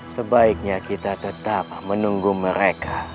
sebaiknya kita tetap menunggu mereka